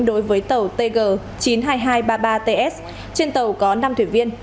đối với tàu tg chín mươi hai nghìn hai trăm ba mươi ba ts trên tàu có năm thuyền viên